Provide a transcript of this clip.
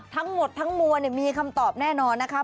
ทั้งหมดทั้งมัวเนี่ยมีคำตอบแน่นอนนะครับ